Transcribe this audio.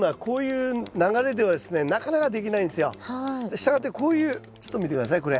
したがってこういうちょっと見て下さいこれ。